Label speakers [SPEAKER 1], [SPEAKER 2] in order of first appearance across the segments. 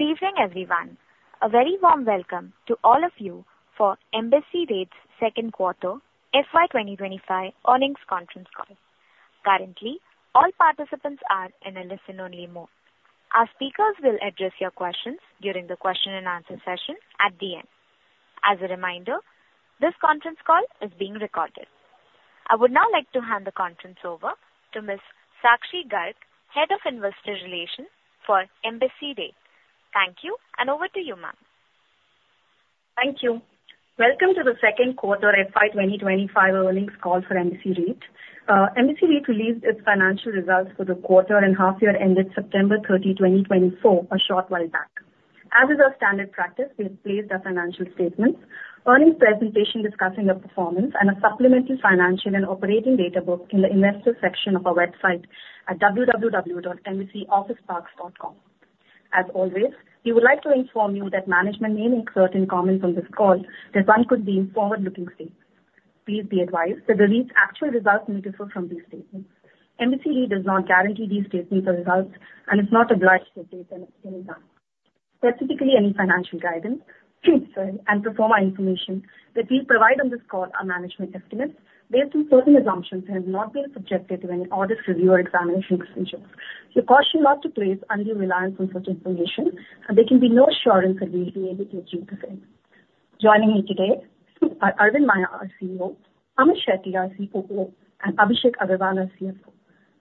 [SPEAKER 1] Good evening, everyone. A very warm welcome to all of you for Embassy REIT's second quarter FY 2025 earnings conference call. Currently, all participants are in a listen-only mode. Our speakers will address your questions during the question and answer session at the end. As a reminder, this conference call is being recorded. I would now like to hand the conference over to Ms. Sakshi Garg, Head of Investor Relations for Embassy REIT. Thank you, and over to you, ma'am.
[SPEAKER 2] Thank you. Welcome to the second quarter FY twenty twenty-five earnings call for Embassy REIT. Embassy REIT released its financial results for the quarter and half year ended September thirty, twenty twenty-four, a short while back. As is our standard practice, we have placed our financial statements, earnings presentation discussing our performance, and a supplementary financial and operating data book in the investor section of our website at www.embassyofficeparks.com. As always, we would like to inform you that management may make certain comments on this call that one could be in forward-looking statements. Please be advised that the REIT's actual results may differ from these statements. Embassy REIT does not guarantee these statements or results and is not obliged to update them in advance. Specifically, any financial guidance, and forward-looking information that we provide on this call are management estimates based on certain assumptions that have not been subjected to any audit, review, or examination procedures. We caution you not to place undue reliance on such information, and there can be no assurance that we will be able to achieve the same. Joining me today are Aravind Maiya, our CEO, Amit Shetty, our COO, and Abhishek Agrawal, our CFO.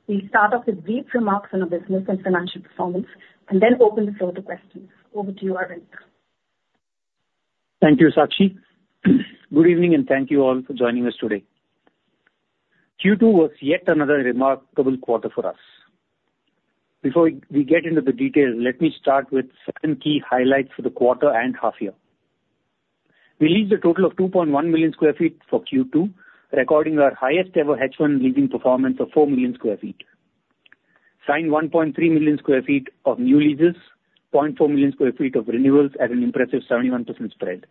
[SPEAKER 2] We'll start off with brief remarks on our business and financial performance, and then open the floor to questions. Over to you, Arvind.
[SPEAKER 3] Thank you, Sakshi. Good evening, and thank you all for joining us today. Q2 was yet another remarkable quarter for us. Before we get into the details, let me start with certain key highlights for the quarter and half year. We leased a total of 2.1 million sq ft for Q2, recording our highest ever H1 leasing performance of 4 million sq ft. Signed 1.3 million sq ft of new leases, 0.4 million sq ft of renewals at an impressive 71% spread.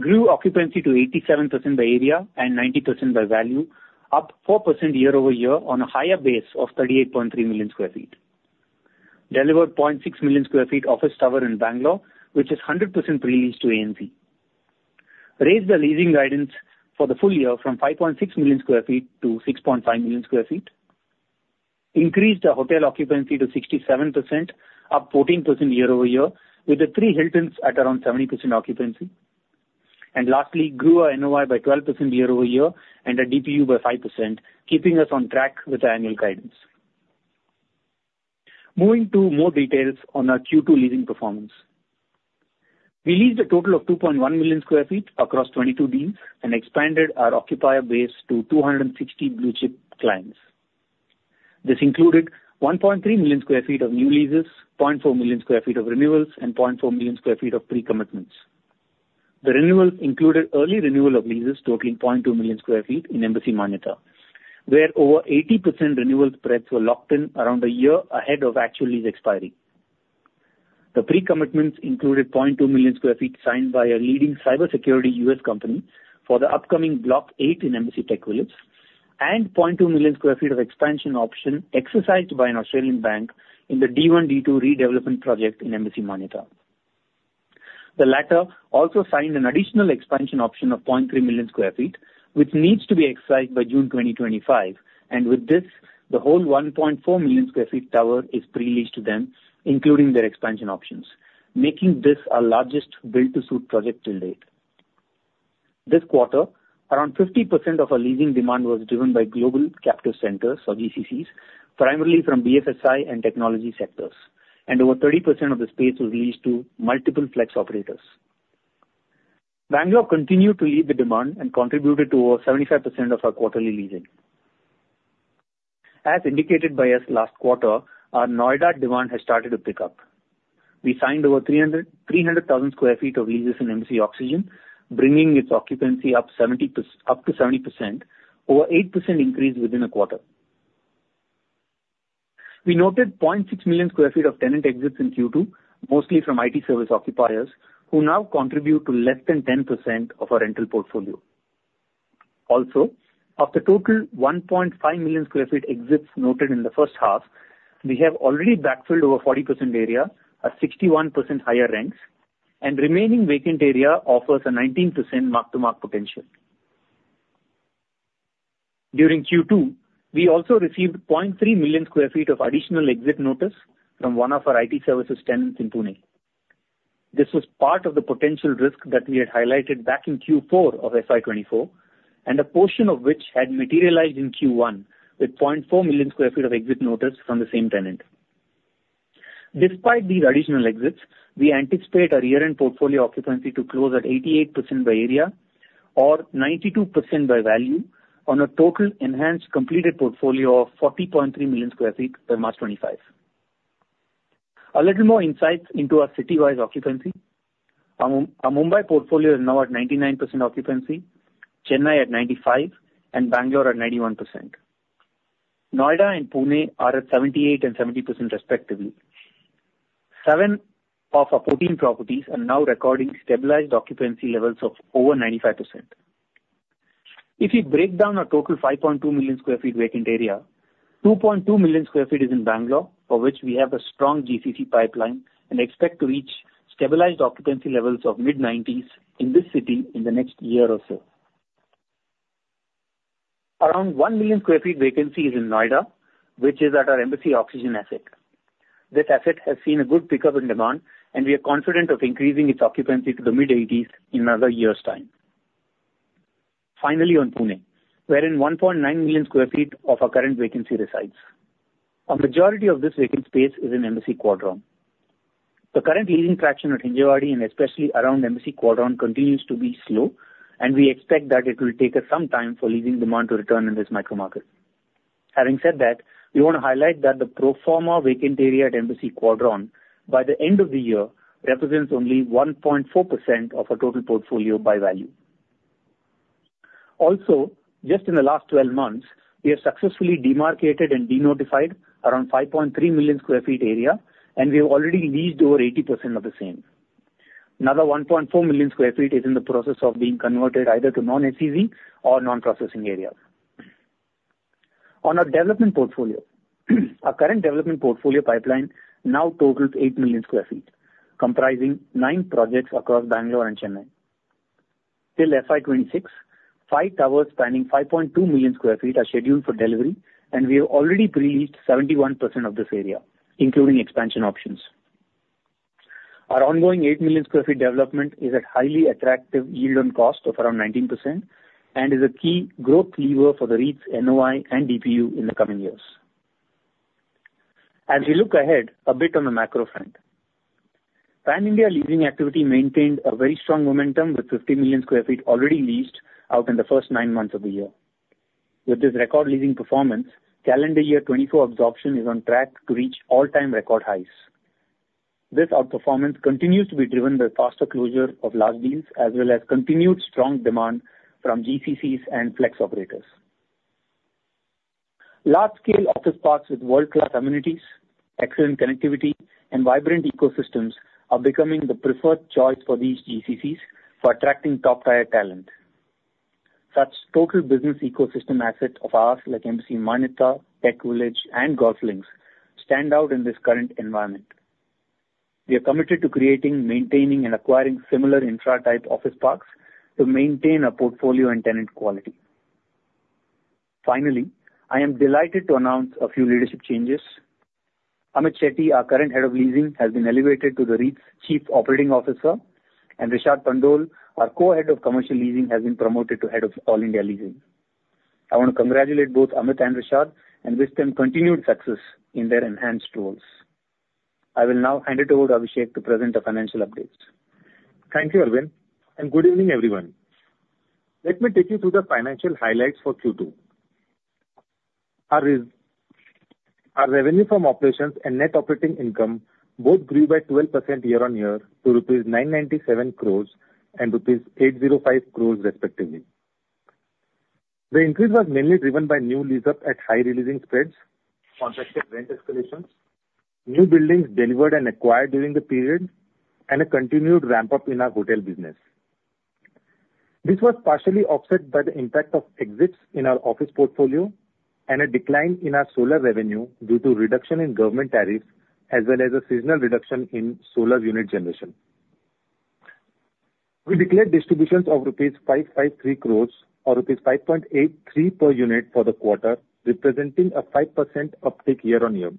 [SPEAKER 3] Grew occupancy to 87% by area and 90% by value, up 4% year-over-year on a higher base of 38.3 million sq ft. Delivered 0.6 million sq ft office tower in Bangalore, which is 100% pre-leased to ANZ. Raised the leasing guidance for the full year from 5.6 million sq ft to 6.5 million sq ft. Increased our hotel occupancy to 67%, up 14% year-over-year, with the three Hiltons at around 70% occupancy, and lastly, grew our NOI by 12% year-over-year and our DPU by 5%, keeping us on track with the annual guidance. Moving to more details on our Q2 leasing performance. We leased a total of 2.1 million sq ft across 22 deals and expanded our occupier base to 260 blue chip clients. This included 1.3 million sq ft of new leases, 0.4 million sq ft of renewals, and 0.4 million sq ft of pre-commitments. The renewals included early renewal of leases totaling 0.2 million sq ft in Embassy Manyata, where over 80% renewal spreads were locked in around a year ahead of actual lease expiry. The pre-commitments included 0.2 million sq ft signed by a leading cybersecurity US company for the upcoming Block 8 in Embassy TechVillage, and 0.2 million sq ft of expansion option exercised by an Australian bank in the D1, D2 redevelopment project in Embassy Manyata. The latter also signed an additional expansion option of 0.3 million sq ft, which needs to be exercised by June 2025, and with this, the whole 1.4 million sq ft tower is pre-leased to them, including their expansion options, making this our largest built-to-suit project to date. This quarter, around 50% of our leasing demand was driven by global captive centers, or GCCs, primarily from BFSI and technology sectors, and over 30% of the space was leased to multiple flex operators. Bangalore continued to lead the demand and contributed to over 75% of our quarterly leasing. As indicated by us last quarter, our Noida demand has started to pick up. We signed over 300,000 sq ft of leases in Embassy Oxygen, bringing its occupancy up 70%, up to 70%, over 8% increase within a quarter. We noted 0.6 million sq ft of tenant exits in Q2, mostly from IT service occupiers, who now contribute to less than 10% of our rental portfolio. Also, of the total 1.5 million sq ft exits noted in the first half, we have already backfilled over 40% area at 61% higher rents, and remaining vacant area offers a 19% mark-to-market potential. During Q2, we also received 0.3 million sq ft of additional exit notice from one of our IT services tenants in Pune. This was part of the potential risk that we had highlighted back in Q4 of FY 2024, and a portion of which had materialized in Q1, with 0.4 million sq ft of exit notice from the same tenant. Despite these additional exits, we anticipate our year-end portfolio occupancy to close at 88% by area or 92% by value on a total enhanced completed portfolio of 40.3 million sq ft by March 2025. A little more insights into our city-wide occupancy. Our Mumbai portfolio is now at 99% occupancy, Chennai at 95%, and Bangalore at 91%. Noida and Pune are at 78% and 70% respectively. Seven of our 14 properties are now recording stabilized occupancy levels of over 95%.... If we break down our total 5.2 million sq ft vacant area, 2.2 million sq ft is in Bangalore, for which we have a strong GCC pipeline and expect to reach stabilized occupancy levels of mid-nineties in this city in the next year or so. Around 1 million sq ft vacancy is in Noida, which is at our Embassy Oxygen asset. This asset has seen a good pickup in demand, and we are confident of increasing its occupancy to the mid-eighties in another year's time. Finally, on Pune, wherein 1.9 million sq ft of our current vacancy resides. A majority of this vacant space is in Embassy Quadron. The current leasing traction at Hinjewadi, and especially around Embassy Quadron, continues to be slow, and we expect that it will take us some time for leasing demand to return in this micro market. Having said that, we want to highlight that the pro forma vacant area at Embassy Quadron by the end of the year represents only 1.4% of our total portfolio by value. Also, just in the last 12 months, we have successfully demarcated and denotified around 5.3 million sq ft area, and we have already leased over 80% of the same. Another 1.4 million sq ft is in the process of being converted either to non-SEZ or non-processing areas. On our development portfolio, our current development portfolio pipeline now totals eight million sq ft, comprising nine projects across Bangalore and Chennai. Till FY 2026, five towers spanning 5.2 million sq ft are scheduled for delivery, and we have already pre-leased 71% of this area, including expansion options. Our ongoing eight million sq ft development is at highly attractive yield on cost of around 19% and is a key growth lever for the REIT's NOI and DPU in the coming years. As we look ahead, a bit on the macro front. Pan-India leasing activity maintained a very strong momentum, with 50 million sq ft already leased out in the first nine months of the year. With this record leasing performance, calendar year 2024 absorption is on track to reach all-time record highs. This outperformance continues to be driven by faster closure of large deals, as well as continued strong demand from GCCs and flex operators. Large-scale office parks with world-class amenities, excellent connectivity, and vibrant ecosystems are becoming the preferred choice for these GCCs for attracting top-tier talent. Such total business ecosystem assets of ours, like Embassy Manyata, TechVillage, and GolfLinks, stand out in this current environment. We are committed to creating, maintaining, and acquiring similar infra-type office parks to maintain our portfolio and tenant quality. Finally, I am delighted to announce a few leadership changes. Amit Shetty, our current Head of Leasing, has been elevated to the REIT's Chief Operating Officer, and Rishad Pandole, our Co-head of Commercial Leasing, has been promoted to Head of All India Leasing. I want to congratulate both Amit and Rishad and wish them continued success in their enhanced roles. I will now hand it over to Abhishek to present the financial updates.
[SPEAKER 4] Thank you, Arvind, and good evening, everyone. Let me take you through the financial highlights for Q2. Our revenue from operations and net operating income both grew by 12% year-on-year to rupees 997 crores and rupees 805 crores respectively. The increase was mainly driven by new lease up at high re-leasing spreads, contracted rent escalations, new buildings delivered and acquired during the period, and a continued ramp-up in our hotel business. This was partially offset by the impact of exits in our office portfolio and a decline in our solar revenue due to reduction in government tariffs, as well as a seasonal reduction in solar unit generation. We declared distributions of rupees 553 crores or rupees 5.83 per unit for the quarter, representing a 5% uptick year-on-year.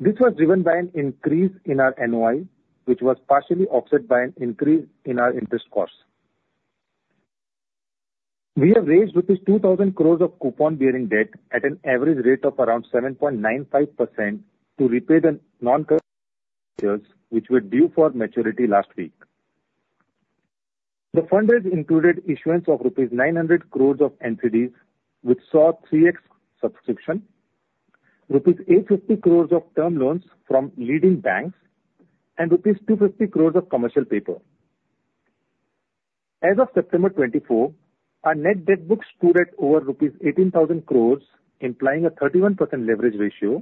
[SPEAKER 4] This was driven by an increase in our NOI, which was partially offset by an increase in our interest costs. We have raised rupees 2,000 crores of coupon-bearing debt at an average rate of around 7.95% to repay the NCDs, which were due for maturity last week. The funding included issuance of rupees 900 crores of NCDs, which saw 3x subscription, rupees 850 crores of term loans from leading banks, and rupees 250 crores of commercial paper. As of September 2024, our net debt book stood at over 18,000 crores rupees, implying a 31% leverage ratio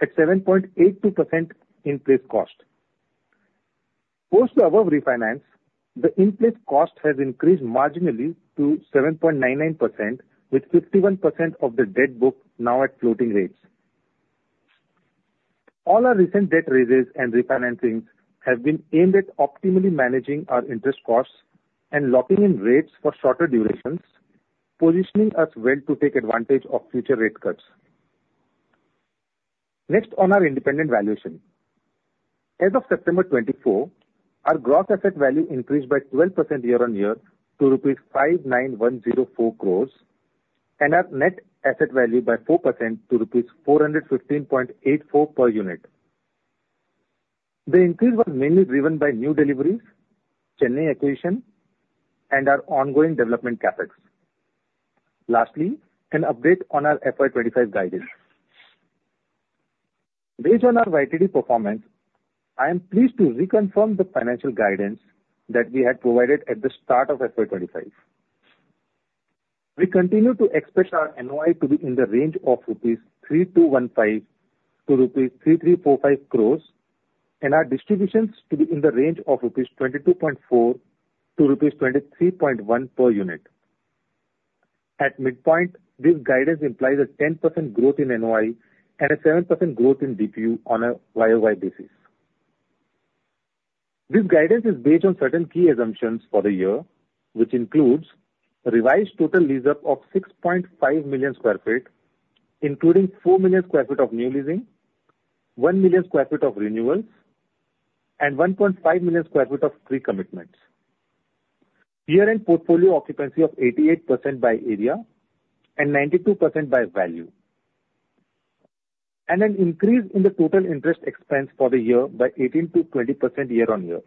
[SPEAKER 4] at 7.82% in-place cost. Post the above refinance, the in-place cost has increased marginally to 7.99%, with 51% of the debt book now at floating rates. All our recent debt raises and refinancings have been aimed at optimally managing our interest costs and locking in rates for shorter durations, positioning us well to take advantage of future rate cuts. Next on our independent valuation. As of September 2024, our gross asset value increased by 12% year-on-year to rupees 59,104 crores, and our net asset value by 4% to rupees 415.84 per unit. The increase was mainly driven by new deliveries, Chennai acquisition, and our ongoing development CapEx. Lastly, an update on our FY 2025 guidance. Based on our YTD performance, I am pleased to reconfirm the financial guidance that we had provided at the start of FY 2025. We continue to expect our NOI to be in the range of rupees 3,215 to rupees 3,345 crores-... And our distributions to be in the range of 22.4-23.1 rupees per unit. At midpoint, this guidance implies a 10% growth in NOI and a 7% growth in DPU on a YOY basis. This guidance is based on certain key assumptions for the year, which includes a revised total leaseup of 6.5 million sq ft, including 4 million sq ft of new leasing, 1 million sq ft of renewals, and 1.5 million sq ft of pre-commitments. Year-end portfolio occupancy of 88% by area and 92% by value, and an increase in the total interest expense for the year by 18%-20% year on year.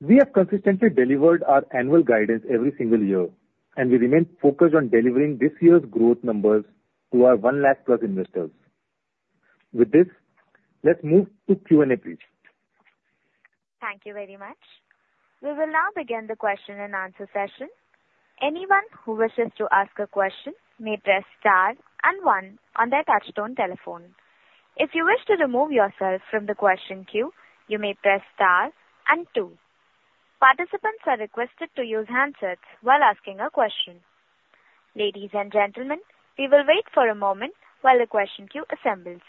[SPEAKER 4] We have consistently delivered our annual guidance every single year, and we remain focused on delivering this year's growth numbers to our 1 lakh plus investors. With this, let's move to Q&A, please.
[SPEAKER 1] Thank you very much. We will now begin the question and answer session. Anyone who wishes to ask a question may press star and one on their touchtone telephone. If you wish to remove yourself from the question queue, you may press star and two. Participants are requested to use handsets while asking a question. Ladies and gentlemen, we will wait for a moment while the question queue assembles.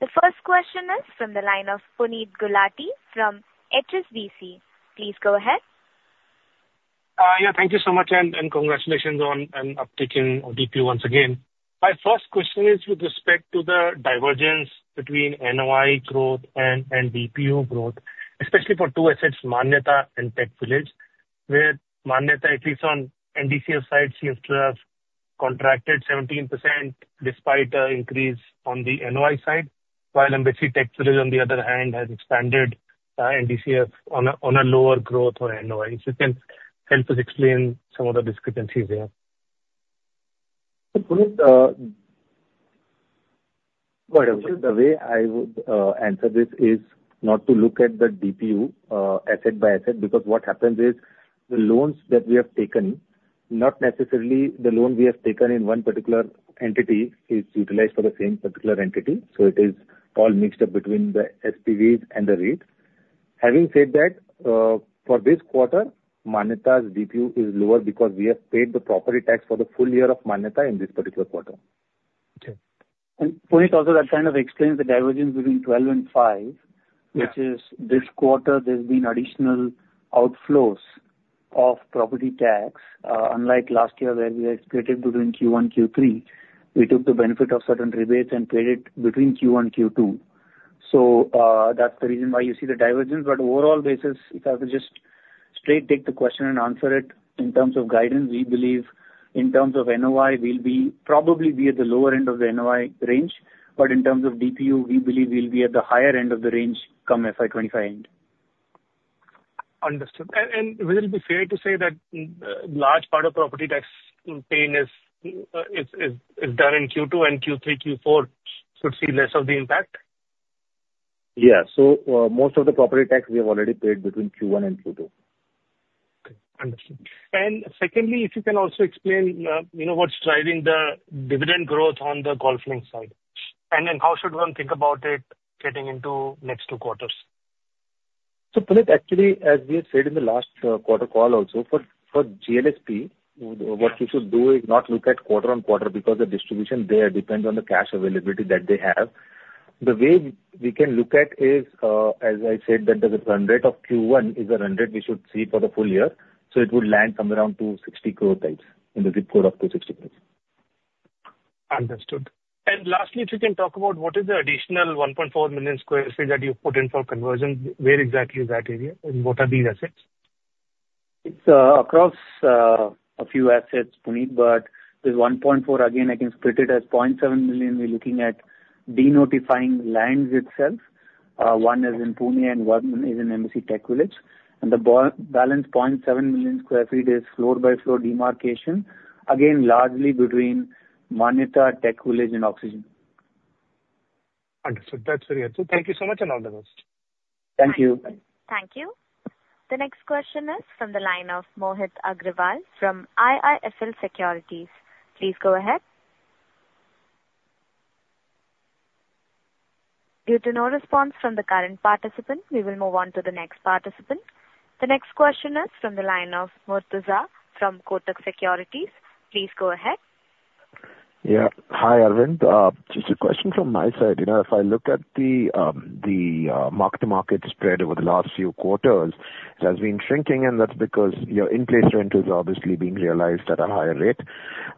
[SPEAKER 1] The first question is from the line of Puneet Gulati from HSBC. Please go ahead.
[SPEAKER 5] Yeah, thank you so much, and congratulations on upping our DPU once again. My first question is with respect to the divergence between NOI growth and DPU growth, especially for two assets, Manyata and TechVillage, where Manyata, at least on NDCF side, seems to have contracted 17% despite an increase on the NOI side, while Embassy TechVillage, on the other hand, has expanded NDCF on a lower growth on NOI. So if you can help us explain some of the discrepancies there.
[SPEAKER 4] Puneet, the way I would, answer this is not to look at the DPU, asset by asset, because what happens is, the loans that we have taken, not necessarily the loan we have taken in one particular entity is utilized for the same particular entity, so it is all mixed up between the SPVs and the REIT. Having said that, for this quarter, Manyata's DPU is lower because we have paid the property tax for the full year of Manyata in this particular quarter.
[SPEAKER 5] Okay.
[SPEAKER 4] Puneet, also, that kind of explains the divergence between 12 and 5-
[SPEAKER 5] Yeah.
[SPEAKER 4] -which is this quarter, there's been additional outflows of property tax. Unlike last year, where we had split it between Q1, Q3, we took the benefit of certain rebates and paid it between Q1, Q2. So, that's the reason why you see the divergence. But overall basis, if I could just straight take the question and answer it, in terms of guidance, we believe in terms of NOI, we'll be, probably be at the lower end of the NOI range, but in terms of DPU, we believe we'll be at the higher end of the range come FY 2025 end.
[SPEAKER 5] Understood. And will it be fair to say that large part of property tax paying is done in Q2, and Q3, Q4 should see less of the impact?
[SPEAKER 4] Yeah. So, most of the property tax, we have already paid between Q1 and Q2.
[SPEAKER 5] Okay, understood. And secondly, if you can also explain, you know, what's driving the dividend growth on the GolfLinks side? And then how should one think about it getting into next two quarters?
[SPEAKER 4] So Puneet, actually, as we have said in the last quarter call also, for GLSP, what you should do is not look at quarter on quarter, because the distribution there depends on the cash availability that they have. The way we can look at is, as I said, that the run rate of Q1 is a run rate we should see for the full year, so it would land somewhere around 260 crore types, in the zip code of 260 crores.
[SPEAKER 5] Understood. And lastly, if you can talk about what is the additional 1.4 million sq ft that you've put in for conversion? Where exactly is that area, and what are these assets?
[SPEAKER 4] It's across a few assets, Puneet, but this 1.4, again, I can split it as 0.7 million, we're looking at denotifying lands itself. One is in Pune and one is in Embassy TechVillage. And the balance 0.7 million sq ft is floor-by-floor demarcation, again, largely between Manyata, TechVillage and Oxygen.
[SPEAKER 5] Understood. That's very helpful. Thank you so much, and all the best.
[SPEAKER 4] Thank you.
[SPEAKER 1] Thank you. The next question is from the line of Mohit Agrawal from IIFL Securities. Please go ahead. Due to no response from the current participant, we will move on to the next participant. The next question is from the line of Murtuza from Kotak Securities. Please go ahead.
[SPEAKER 6] Yeah. Hi, Arvind. Just a question from my side. You know, if I look at the mark-to-market spread over the last few quarters, it has been shrinking, and that's because your in-place rentals are obviously being realized at a higher rate,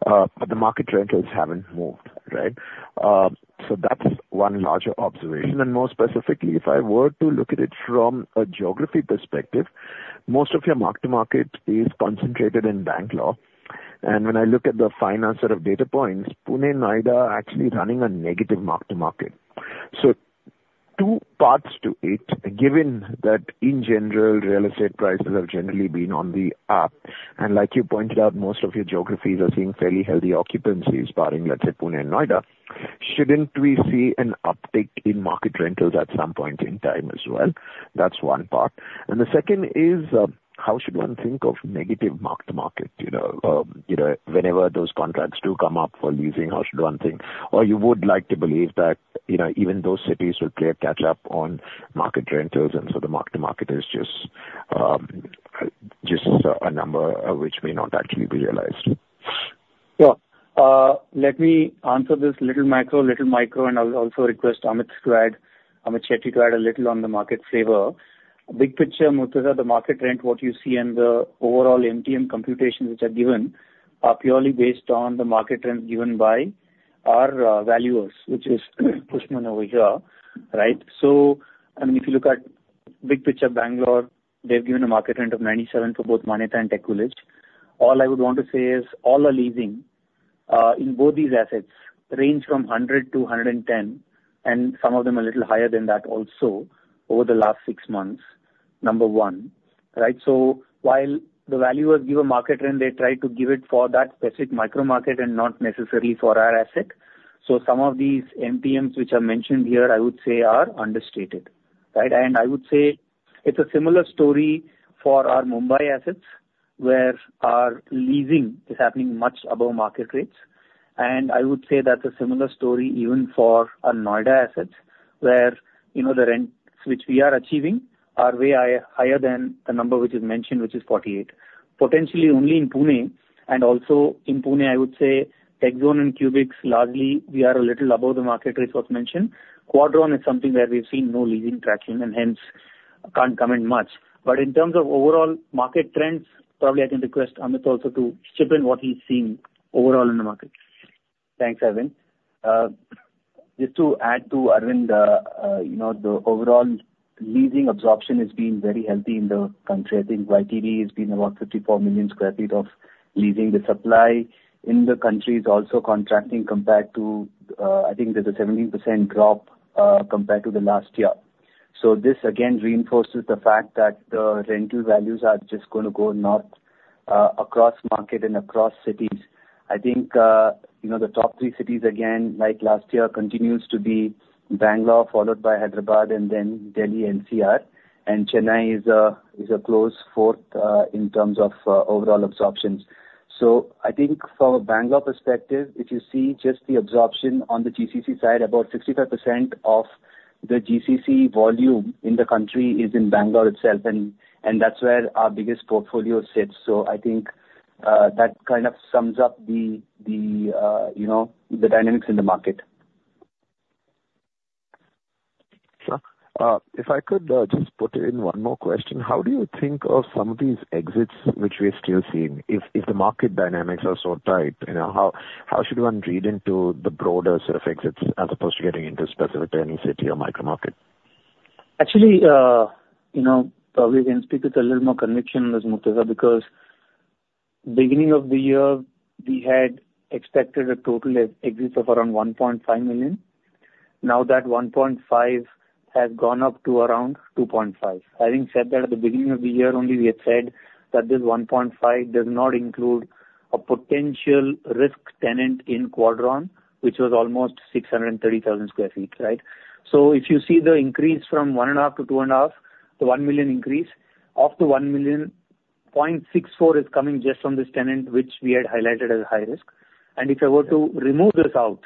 [SPEAKER 6] but the market rentals haven't moved, right? So that's one larger observation. And more specifically, if I were to look at it from a geography perspective, most of your mark-to-market is concentrated in Bangalore. And when I look at the financial set of data points, Pune, Noida, are actually running a negative mark-to-market. So two parts to it, given that in general, real estate prices have generally been on the up, and like you pointed out, most of your geographies are seeing fairly healthy occupancies, barring, let's say, Pune and Noida. Shouldn't we see an uptick in market rentals at some point in time as well? That's one part. And the second is, how should one think of negative mark-to-market, you know? You know, whenever those contracts do come up for leasing, how should one think? Or you would like to believe that, you know, even those cities will play a catch-up on market rentals, and so the mark-to-market is just a number, which may not actually be realized.
[SPEAKER 3] Yeah. Let me answer this little micro, and I'll also request Amit Shetty to add a little on the market flavor. Big picture, Murtuza, the market rent, what you see in the overall MTM computations which are given, are purely based on the market rent given by our valuers, which is Cushman over here, right? I mean, if you look at big picture Bangalore, they've given a market rent of 97 for both Manyata and TechVillage. All I would want to say is, all the leasing in both these assets range from 100-110, and some of them a little higher than that also, over the last six months, number one, right? So while the valuers give a market rent, they try to give it for that specific micro market and not necessarily for our asset. So some of these MTMs which are mentioned here, I would say, are understated, right? And I would say it's a similar story for our Mumbai assets, where our leasing is happening much above market rates. And I would say that's a similar story even for our Noida assets, where, you know, the rents which we are achieving are way higher than the number which is mentioned, which is 48. Potentially, only in Pune, and also in Pune, I would say TechZone and Qubix, largely, we are a little above the market rates was mentioned. Quadron is something where we've seen no leasing tracking, and hence, can't comment much. But in terms of overall market trends, probably I can request Amit also to chip in what he's seeing overall in the market.
[SPEAKER 6] Thanks, Arvind. Just to add to Arvind, you know, the overall leasing absorption has been very healthy in the country. I think YTD has been about 54 million sq ft of leasing. The supply in the country is also contracting compared to, I think there's a 17% drop, compared to the last year. So this again reinforces the fact that the rental values are just gonna go north, across market and across cities. I think, you know, the top three cities, again, like last year, continues to be Bangalore, followed by Hyderabad and then Delhi NCR, and Chennai is a close fourth, in terms of, overall absorptions. So I think from a Bangalore perspective, if you see just the absorption on the GCC side, about 65% of the GCC volume in the country is in Bangalore itself, and that's where our biggest portfolio sits. So I think that kind of sums up the you know the dynamics in the market.
[SPEAKER 3] Sure. If I could just put in one more question. How do you think of some of these exits which we're still seeing? If the market dynamics are so tight, you know, how should one read into the broader set of exits, as opposed to getting into specific to any city or micro market? Actually, you know, probably I can speak with a little more conviction on this, Murtuza, because beginning of the year, we had expected a total exit of around 1.5 million. Now, that 1.5 has gone up to around 2.5. Having said that, at the beginning of the year only, we had said that this 1.5 does not include a potential risk tenant in Quadron, which was almost 630,000 sq ft, right? So if you see the increase from 1.5 to 2.5, the 1 million increase, of the 1 million, 0.64 is coming just from this tenant, which we had highlighted as high risk. If I were to remove this out,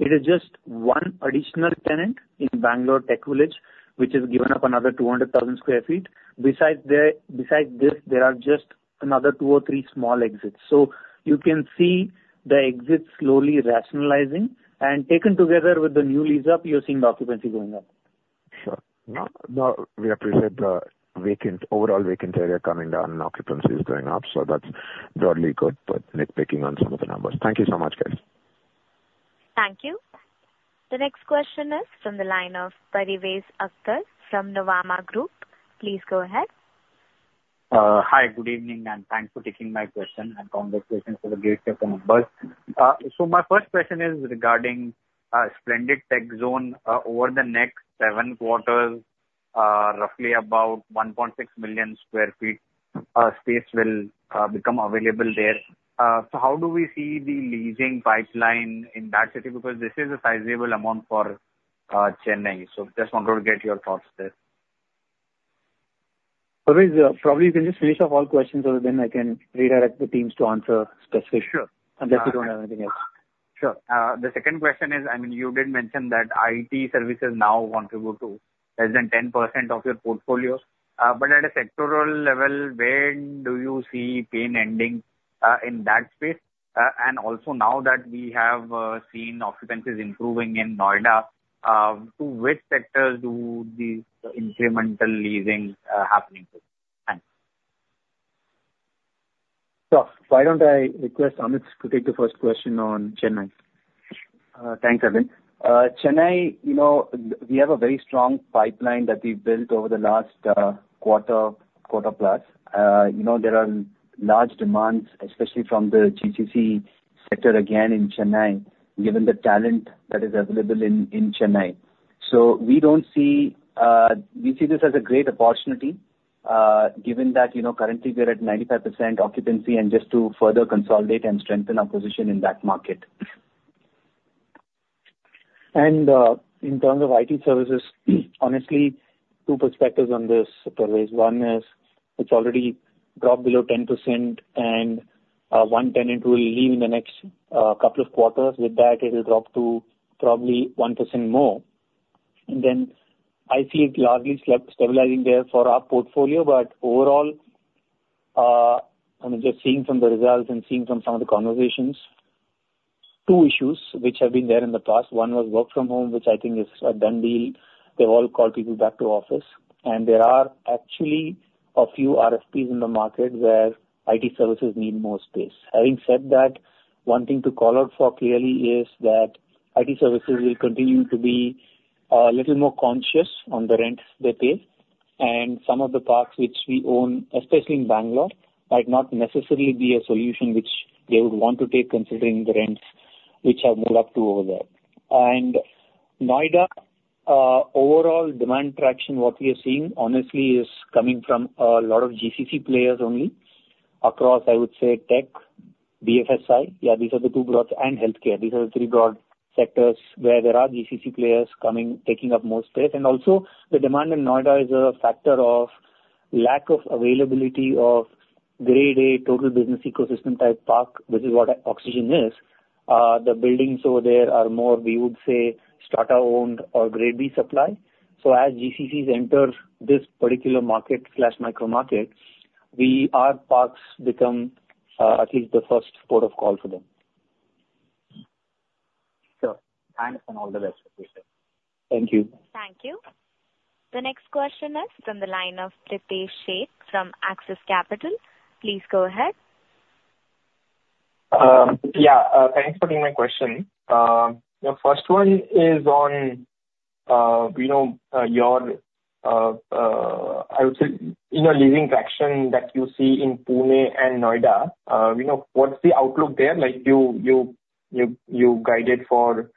[SPEAKER 3] it is just one additional tenant in Bangalore TechVillage, which has given up another two hundred thousand sq ft. Besides this, there are just another two or three small exits. You can see the exits slowly rationalizing, and taken together with the new lease up, you're seeing the occupancy going up.
[SPEAKER 6] Sure. Now, we appreciate the overall vacant area coming down and occupancy is going up, so that's broadly good, but nitpicking on some of the numbers. Thank you so much, guys.
[SPEAKER 1] Thank you. The next question is from the line of Parvez Akhtar from Nomura Group. Please go ahead.
[SPEAKER 7] Hi, good evening, and thanks for taking my question, and congratulations on the great set of numbers. So my first question is regarding Splendid TechZone. Over the next seven quarters, roughly about 1.6 million sq ft space will become available there. So how do we see the leasing pipeline in that city? Because this is a sizable amount for Chennai. So just wanted to get your thoughts there.
[SPEAKER 3] Parivez, probably you can just finish off all questions, so then I can redirect the teams to answer specifically-
[SPEAKER 7] Sure.
[SPEAKER 3] Unless you don't have anything else.
[SPEAKER 7] Sure. The second question is, I mean, you did mention that IT services now contribute to less than 10% of your portfolio. But at a sectoral level, where do you see pain ending in that space? And also now that we have seen occupancies improving in Noida, to which sectors do the incremental leasing happening to? Thanks.
[SPEAKER 3] Sure. Why don't I request Amit to take the first question on Chennai? Thanks, Arvind. Chennai, you know, we have a very strong pipeline that we've built over the last, quarter, quarter plus. You know, there are large demands, especially from the GCC sector, again, in Chennai, given the talent that is available in, in Chennai. So we don't see, we see this as a great opportunity, given that, you know, currently we're at 95% occupancy, and just to further consolidate and strengthen our position in that market. And, in terms of IT services, honestly, two perspectives on this. One is, it's already dropped below 10%, and, one tenant will leave in the next, couple of quarters. With that, it'll drop to probably 1% more. And then I see it largely stabilizing there for our portfolio. But overall, I mean, just seeing from the results and seeing from some of the conversations, two issues which have been there in the past: One was work from home, which I think is a done deal. They've all called people back to office. And there are actually a few RFPs in the market where IT services need more space. Having said that, one thing to call out for clearly is that IT services will continue to be, a little more conscious on the rents they pay, and some of the parks which we own, especially in Bangalore, might not necessarily be a solution which they would want to take, considering the rents which have moved up to over there. And Noida, overall demand traction, what we are seeing, honestly, is coming from a lot of GCC players only, across, I would say, tech, BFSI. Yeah, these are the two broad... And healthcare. These are the three broad sectors where there are GCC players coming, taking up more space. And also, the demand in Noida is a factor of lack of availability of Grade A total business ecosystem-type park, which is what Oxygen is. The buildings over there are more, we would say, startup-owned or Grade B supply. So as GCCs enter this particular market/micromarket, we, our parks become at least the first port of call for them.
[SPEAKER 8] Sure. Thanks, and all the best with this.
[SPEAKER 3] Thank you.
[SPEAKER 1] Thank you. The next question is from the line of Pritesh Sheth from Axis Capital. Please go ahead.
[SPEAKER 9] Yeah, thanks for taking my question. The first one is on, you know, your, I would say, you know, leasing traction that you see in Pune and Noida. You know, what's the outlook there? Like, you guided for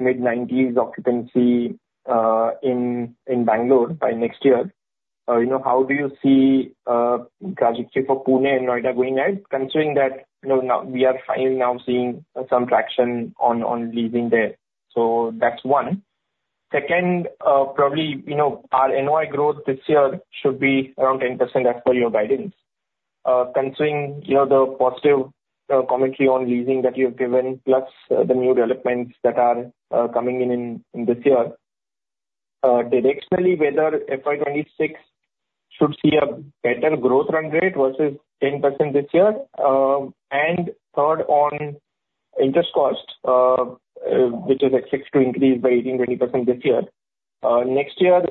[SPEAKER 9] mid-nineties occupancy, in Bangalore by next year. You know, how do you see, Galaxy for Pune and Noida going ahead, considering that, you know, now we are finally seeing some traction on, leasing there. So that's one. Second, probably, you know, our NOI growth this year should be around 10%, as per your guidance. Considering, you know, the positive commentary on leasing that you have given, plus the new developments that are coming in this year, directionally, whether FY 2026 should see a better growth run rate versus 10% this year? And third, on interest cost, which is expected to increase by 18-20% this year, next year,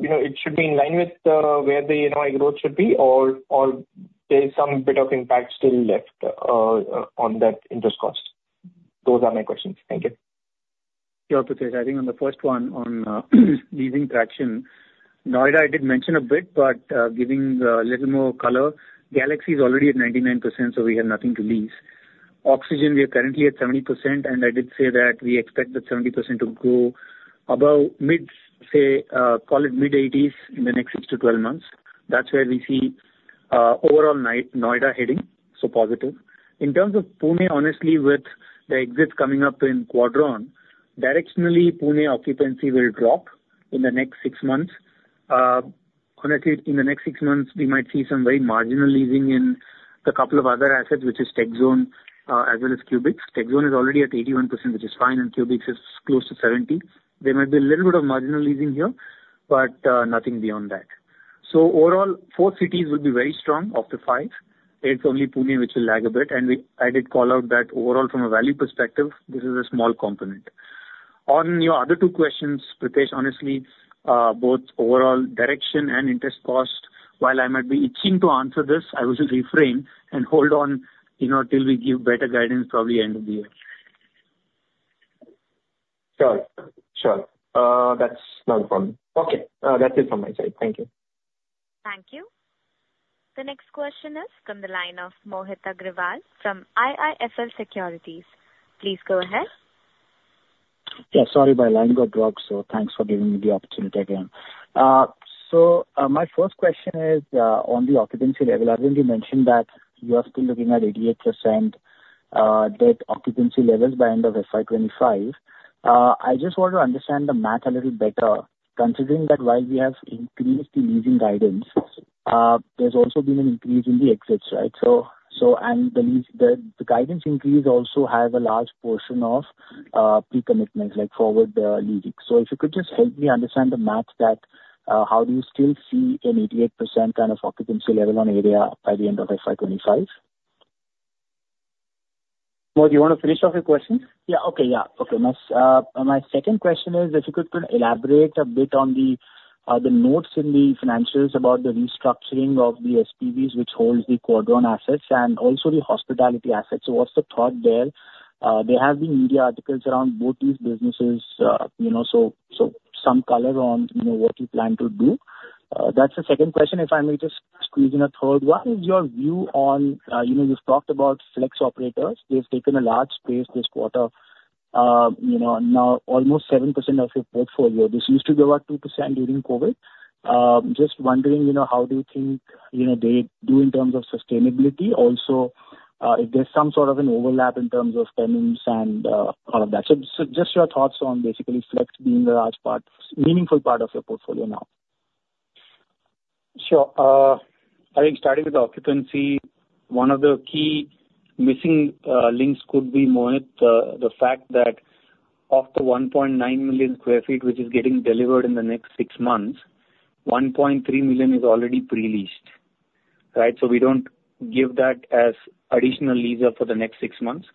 [SPEAKER 9] you know, it should be in line with where the NOI growth should be, or there's some bit of impact still left on that interest cost? Those are my questions. Thank you.
[SPEAKER 3] Sure, Pritesh. I think on the first one, on leasing traction, Noida, I did mention a bit, but giving a little more color, Galaxy is already at 99%, so we have nothing to lease. Oxygen, we are currently at 70%, and I did say that we expect the 70% to go above mid-, say call it mid-80s% in the next six to twelve months. That's where we see overall Noida heading, so positive. In terms of Pune, honestly, with the exits coming up in Quadron, directionally, Pune occupancy will drop in the next six months. Honestly, in the next six months, we might see some very marginal leasing in the couple of other assets, which is Tech Zone as well as Qubix. Tech Zone is already at 81%, which is fine, and Qubix is close to 70%. There might be a little bit of marginal leasing here, but nothing beyond that. So overall, four cities will be very strong, of the five. It's only Pune which will lag a bit, and I did call out that overall from a value perspective, this is a small component. On your other two questions, Pritesh, honestly, both overall direction and interest cost, while I might be itching to answer this, I will just refrain and hold on, you know, till we give better guidance, probably end of the year.
[SPEAKER 9] Sure, sure. That's not a problem. Okay, that's it from my side. Thank you.
[SPEAKER 1] Thank you. The next question is from the line of Mohit Agrawal from IIFL Securities. Please go ahead.
[SPEAKER 8] Yeah, sorry, my line got dropped, so thanks for giving me the opportunity again. So, my first question is on the occupancy level. Arvind, you mentioned that you are still looking at 88% net occupancy levels by end of FY 2025. I just want to understand the math a little better, considering that while we have increased the leasing guidance, there's also been an increase in the exits, right? So, and the leasing guidance increase also has a large portion of pre-commitments, like forward leasing. So if you could just help me understand the math that how do you still see an 88% kind of occupancy level on area by the end of FY 2025?
[SPEAKER 3] Mohit, do you want to finish off your question?
[SPEAKER 8] Yeah, okay. Yeah, okay. My second question is, if you could elaborate a bit on the notes in the financials about the restructuring of the SPVs, which holds the Quadron assets and also the hospitality assets. So what's the thought there? There have been media articles around both these businesses, you know, so some color on what you plan to do. That's the second question. If I may just squeeze in a third. What is your view on, you know, you've talked about flex operators. They've taken a large space this quarter. You know, now almost 7% of your portfolio, this used to be about 2% during COVID. Just wondering, you know, how do you think they do in terms of sustainability? Also, if there's some sort of an overlap in terms of tenants and, all of that. So, just your thoughts on basically flex being a large part, meaningful part of your portfolio now.
[SPEAKER 3] Sure. I think starting with the occupancy, one of the key missing links could be, Mohit, the fact that of the 1.9 million sq ft, which is getting delivered in the next six months, 1.3 million is already pre-leased, right? So we don't give that as additional lease up for the next six months.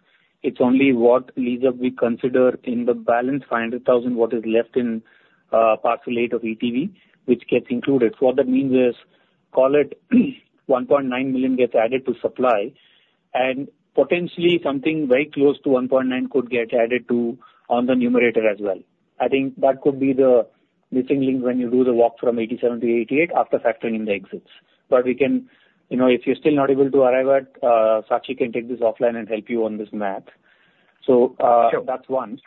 [SPEAKER 3] It's only what lease up we consider in the balance, 500,000, what is left in Parcel 8 of ETV, which gets included. What that means is, call it 1.9 million gets added to supply, and potentially something very close to 1.9 could get added to on the numerator as well. I think that could be the missing link when you do the walk from 87% to 88%, after factoring in the exits. But we can... You know, if you're still not able to arrive at, Sakshi can take this offline and help you on this math. So,
[SPEAKER 8] Sure.
[SPEAKER 3] That's one.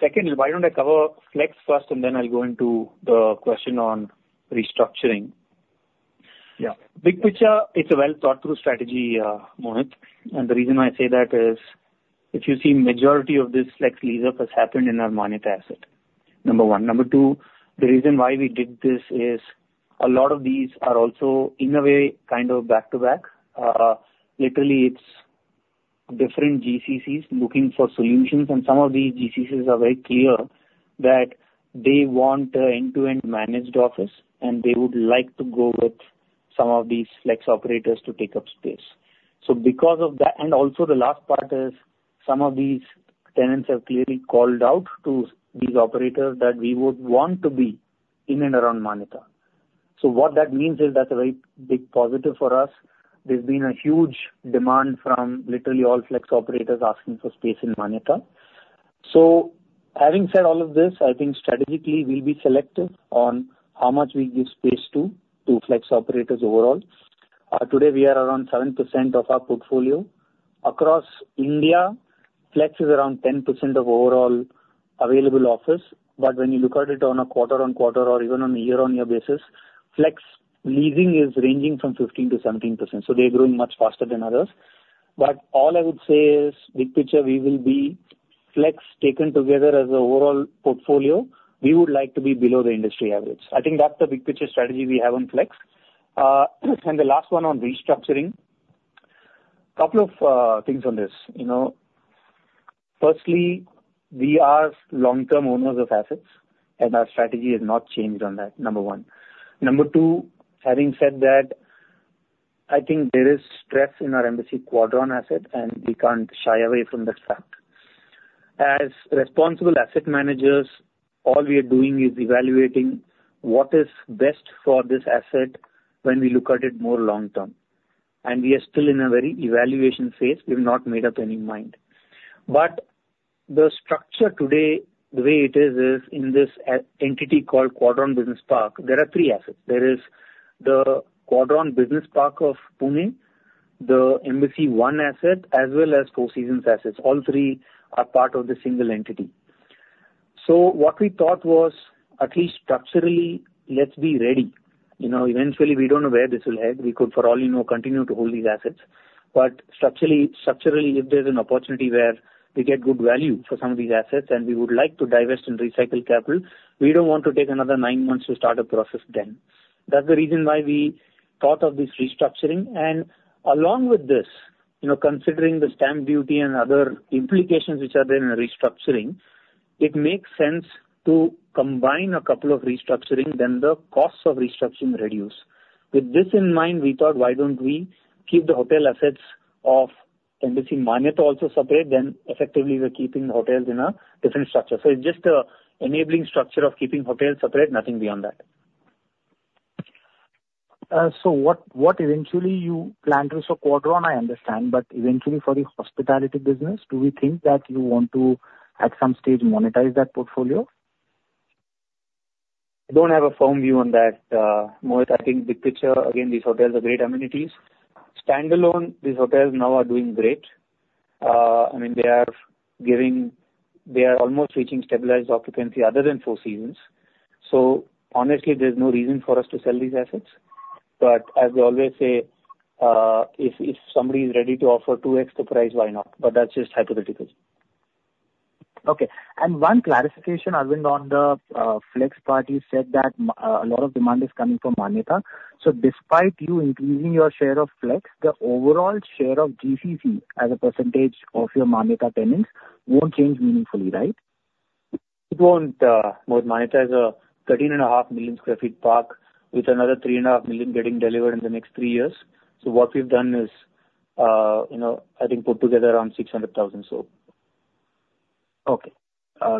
[SPEAKER 3] Second, why don't I cover flex first, and then I'll go into the question on restructuring.
[SPEAKER 8] Yeah.
[SPEAKER 3] Big picture, it's a well-thought-through strategy, Mohit. And the reason why I say that is, if you see majority of this, like, lease up has happened in our Manyata asset, number one. Number two, the reason why we did this is a lot of these are also, in a way, kind of back-to-back. Literally, it's different GCCs looking for solutions, and some of these GCCs are very clear that they want a end-to-end managed office, and they would like to go with some of these flex operators to take up space. So because of that, and also the last part is, some of these tenants have clearly called out to these operators that we would want to be in and around Manyata. So what that means is that's a very big positive for us. There's been a huge demand from literally all flex operators asking for space in Manyata, so having said all of this, I think strategically we'll be selective on how much we give space to flex operators overall. Today we are around 7% of our portfolio. Across India, flex is around 10% of overall available office, but when you look at it on a quarter-on-quarter or even on a year-on-year basis, flex leasing is ranging from 15%-17%, so they're growing much faster than others, but all I would say is, big picture, we will be flex taken together as a overall portfolio. We would like to be below the industry average. I think that's the big picture strategy we have on flex, and the last one on restructuring. Couple of things on this. You know, firstly, we are long-term owners of assets, and our strategy has not changed on that, number one. Number two, having said that, I think there is stress in our Embassy Quadron asset, and we can't shy away from that fact. As responsible asset managers, all we are doing is evaluating what is best for this asset when we look at it more long term. And we are still in a very evaluation phase. We've not made up any mind. But the structure today, the way it is, is in this entity called Quadron Business Park, there are three assets. There is the Quadron Business Park of Pune, the Embassy One asset, as well as Four Seasons assets. All three are part of the single entity. So what we thought was, at least structurally, let's be ready. You know, eventually, we don't know where this will head. We could, for all you know, continue to hold these assets. But structurally, structurally, if there's an opportunity where we get good value for some of these assets and we would like to divest and recycle capital, we don't want to take another nine months to start a process then. That's the reason why we thought of this restructuring, and along with this, you know, considering the stamp duty and other implications which are there in the restructuring, it makes sense to combine a couple of restructuring, then the costs of restructuring reduce. With this in mind, we thought, "Why don't we keep the hotel assets of Embassy Manyata also separate?" Then effectively, we're keeping the hotels in a different structure. So it's just an enabling structure of keeping hotels separate, nothing beyond that.
[SPEAKER 8] So what eventually you plan to... So Quadron, I understand, but eventually for the hospitality business, do we think that you want to, at some stage, monetize that portfolio?
[SPEAKER 3] Don't have a firm view on that, Mohit. I think big picture, again, these hotels are great amenities. Standalone, these hotels now are doing great. I mean, they are giving, they are almost reaching stabilized occupancy other than Four Seasons. So honestly, there's no reason for us to sell these assets. But as we always say, if somebody is ready to offer two extra price, why not? But that's just hypothetical.
[SPEAKER 8] Okay. And one clarification, Arvind, on the flex part, you said that a lot of demand is coming from Manyata. So despite you increasing your share of flex, the overall share of GCC as a percentage of your Manyata tenants won't change meaningfully, right?
[SPEAKER 3] It won't, Mohit. Manyata is a 13.5 million sq ft park with another 3.5 million sq ft getting delivered in the next three years. So what we've done is, you know, I think put together around 600,000, so.
[SPEAKER 8] Okay,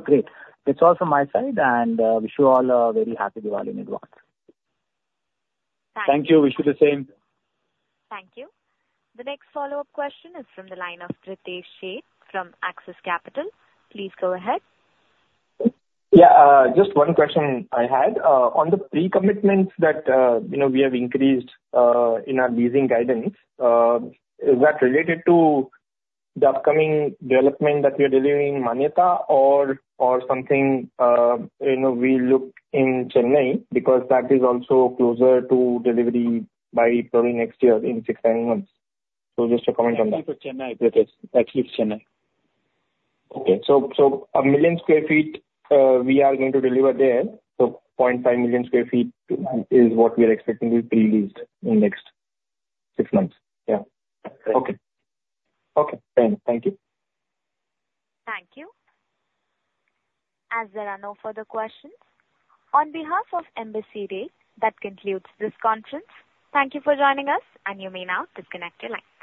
[SPEAKER 8] great. That's all from my side, and wish you all a very happy Diwali in advance.
[SPEAKER 3] Thank you. Wish you the same.
[SPEAKER 1] Thank you. The next follow-up question is from the line of Pritesh Sheth from Axis Capital. Please go ahead.
[SPEAKER 9] Yeah, just one question I had. On the pre-commitments that, you know, we have increased, in our leasing guidance, is that related to the upcoming development that we are delivering in Manyata or, or something, you know, we looked in Chennai? Because that is also closer to delivery by probably next year, in six, seven months. So just a comment on that.
[SPEAKER 3] Chennai, Pritesh. That leaves Chennai.
[SPEAKER 9] Okay. So, a million sq ft we are going to deliver there, so 0.5 million sq ft is what we are expecting to be pre-leased in next six months.
[SPEAKER 3] Yeah.
[SPEAKER 9] Okay, thank you.
[SPEAKER 1] Thank you. As there are no further questions, on behalf of Embassy REIT, that concludes this conference. Thank you for joining us, and you may now disconnect your lines.